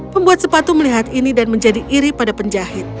pembuat sepatu melihat ini dan menjadi iri pada penjahit